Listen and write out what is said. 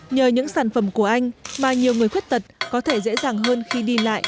nhờ những sản phẩm của anh mà nhiều người khuyết tật có thể dễ dàng hơn khi đi lại